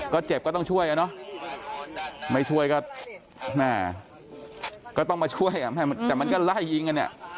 ก็เจ็บก็ต้องช่วยอ่ะเนอะไม่ช่วยก็แม่ก็ต้องมาช่วยแต่มันก็ไล่ยิงกันเนี่ย